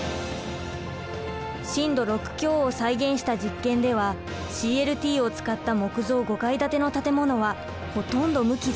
震度６強を再現した実験ではＣＬＴを使った木造５階建ての建物はほとんど無傷。